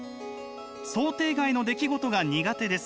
「想定外の出来事が苦手です。